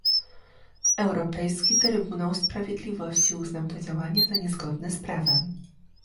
Europejski Trybunał Sprawiedliwości uznał to działanie za niezgodne z prawem